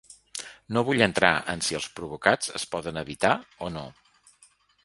No vull entrar en si els provocats es poden evitar o no.